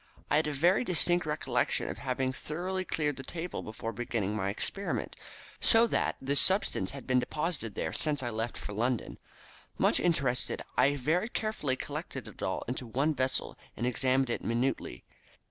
I had a very distinct recollection of having thoroughly cleared the table before beginning my experiment, so that this substance had been deposited there since I had left for London. Much interested, I very carefully collected it all into one vessel, and examined it minutely.